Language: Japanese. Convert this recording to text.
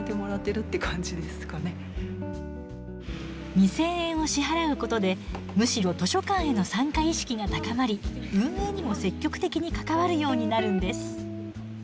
２，０００円を支払うことでむしろ図書館への参加意識が高まり運営にも積極的に関わるようになるんです。